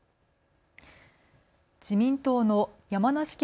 自民党の山梨県